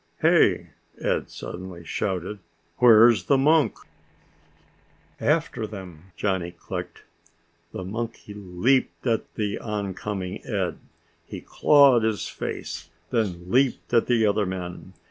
"Hey," Ed suddenly shouted, "where's the monk?" "After them," Johnny clicked. The monkey leaped at the oncoming Ed. He clawed his face, then leaped at the other men.